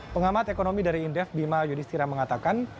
pengamat ekonomi dari indef bima yudhistira mengatakan